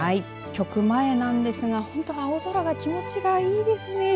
局前なんですが本当に青空が気持ちいいですね。